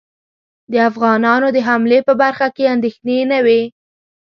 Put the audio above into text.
د افغانانو د حملې په برخه کې اندېښنې نه وې.